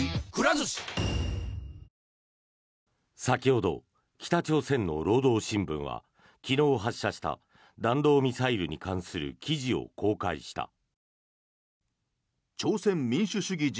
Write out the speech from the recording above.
先ほど、北朝鮮の労働新聞は昨日発射した弾道ミサイルに関する記事を公開した。